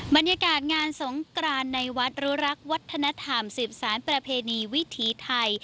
บรรยากากงานสงครานในวัดรุรักวัฒนธรรมสื่อภาพแผนีวิถีไทย